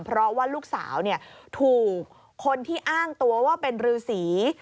เพราะว่าลูกสาวถูกคนที่อ้างตัวว่าเป็นรือสี